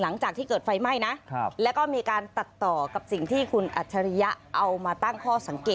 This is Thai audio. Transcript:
หลังจากที่เกิดไฟไหม้นะแล้วก็มีการตัดต่อกับสิ่งที่คุณอัจฉริยะเอามาตั้งข้อสังเกต